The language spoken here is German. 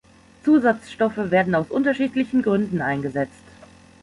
Zusatzstoffe werden aus unterschiedlichen Gründen eingesetzt.